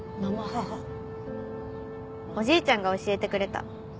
おじいちゃんが教えてくれた。